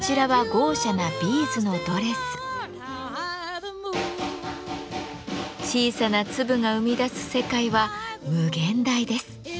小さな粒が生み出す世界は無限大です。